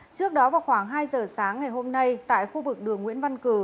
trước đó vào khoảng hai giờ sáng ngày hôm nay tại khu vực đường nguyễn văn cử